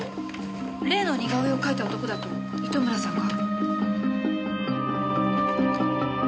例の似顔絵を描いた男だと糸村さんが。